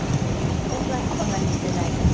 私はそんなにしていないです。